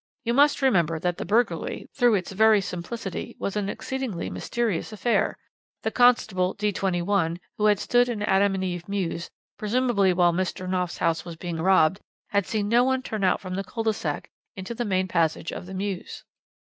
You must remember that the burglary, through its very simplicity, was an exceedingly mysterious affair. The constable, D 21, who had stood in Adam and Eve Mews, presumably while Mr. Knopf's house was being robbed, had seen no one turn out from the cul de sac into the main passage of the mews.